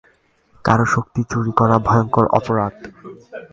কারো শক্তি চুরি করা ভয়ংকর অপরাধ।